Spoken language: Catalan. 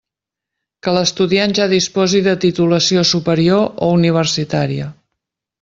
Que l'estudiant ja disposi de titulació superior o universitària.